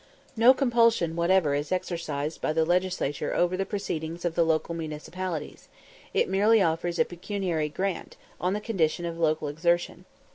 No compulsion whatever is exercised by the Legislature over the proceedings of the local municipalities; it merely offers a pecuniary grant, on the condition of local exertion.